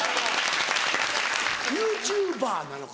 ＹｏｕＴｕｂｅｒなのか。